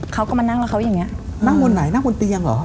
เขาก็มานั่งแล้วเขาอย่างนี้นั่งบนไหนนั่งบนเตียงเหรอ